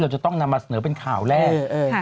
จะต้องนำมาเสนอเป็นข่าวแรก